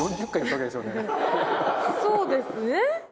そうですね。